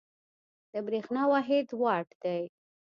د برېښنا واحد وات دی.